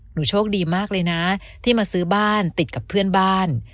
โชคดีมากเลยนะที่มาซื้อบ้านติดกับเพื่อนบ้าน